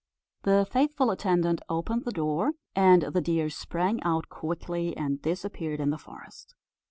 The faithful attendant opened the door, and the deer sprang out quickly, and disappeared in the forest.